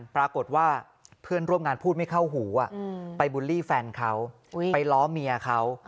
ปรากฏว่าเพื่อนร่วมงานพูดไม่เข้าหูไปบูลลี่แฟนเขาไปล้อเมียเขา